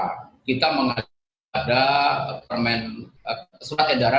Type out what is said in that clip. yang di dalam wujud sekolah tentu diikuti oleh semua sekolah yang ada di jakarta